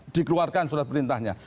dikeluarkan surat perintahnya